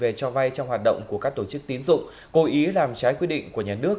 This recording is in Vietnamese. về cho vay trong hoạt động của các tổ chức tín dụng cố ý làm trái quy định của nhà nước